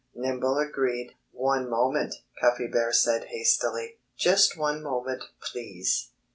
Nimble agreed. "One moment!" Cuffy Bear said hastily. "Just one moment, please!